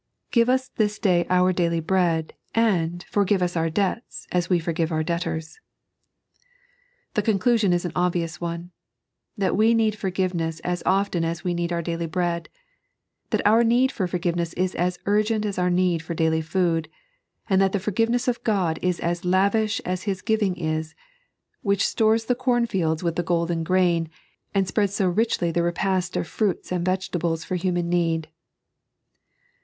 " Give us this day our daily bread, and forgive us our debts, as we forgive our debtors." The conclusion is an obvious one — that we need forgive ness as often as we need our daily bread ; that our need for forgiveness is as urgent as our need for daily food ; and that the forgiveness of God is as lavish as His giving is, which stores the cornfields with the golden grain, and spreads so richly the repast of fruits and vegetables for human need.